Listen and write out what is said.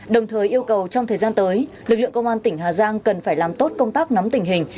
đồng thời yêu cầu trong thời gian tới lực lượng công an tỉnh hà giang cần phải làm tốt công tác nắm tình hình